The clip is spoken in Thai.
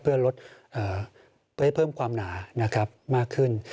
เพื่อลดให้เพิ่มความหนามากขึ้น